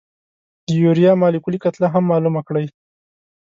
د یوریا مالیکولي کتله هم معلومه کړئ.